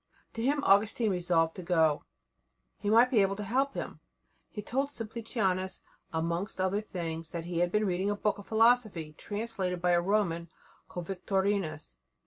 To him Augustine resolved to go; he might be able to help him. He told Simplicianus, amongst other things, that he had been reading a book of philosophy translated by a Roman called Victorinus.